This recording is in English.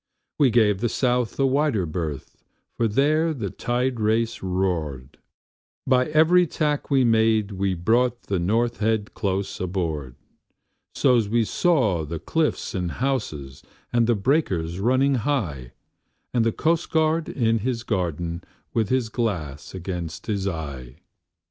We gave the South a wider berth, for there the tide race roared; But every tack we made we brought the North Head close aboard: So's we saw the cliffs and houses, and the breakers running high, And the coastguard in his garden, with his glass against his eye.